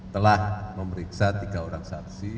telah memeriksa tiga orang saksi